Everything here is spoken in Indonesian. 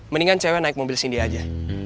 mendingan cewek naik mobil sindi aja